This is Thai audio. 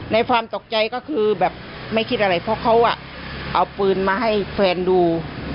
ความตกใจก็คือแบบไม่คิดอะไรเพราะเขาเอาปืนมาให้แฟนดู